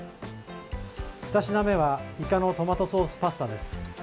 ２品目はイカのトマトソースパスタです。